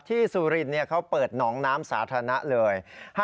สุรินทร์เขาเปิดหนองน้ำสาธารณะเลย